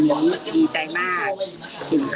อยากให้สังคมรับรู้ด้วย